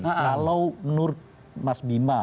kalau menurut mas bima